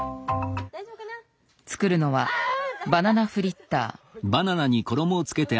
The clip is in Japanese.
作るのはバナナ・フリッター。